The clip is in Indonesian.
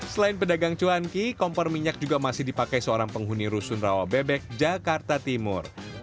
selain pedagang cuanki kompor minyak juga masih dipakai seorang penghuni rusun rawa bebek jakarta timur